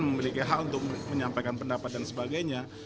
memiliki hak untuk menyampaikan pendapat dan sebagainya